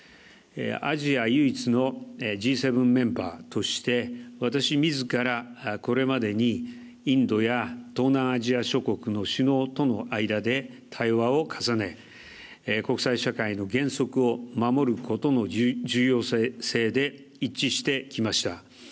アジア唯一のＧ７メンバーとして私みずからこれまでにインドや東南アジア諸国の首脳との間で対話を重ね国際社会の原則を守ることの重要性で一致してきました。